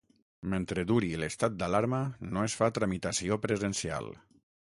Mentre duri l'estat d'alarma no es fa tramitació presencial.